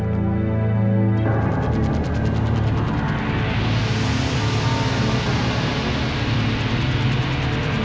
pembantu gak mau aku anak